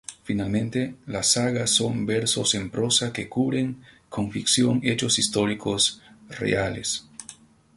Finalmente las sagas son versos en prosa que cubren con ficción hechos históricos reales.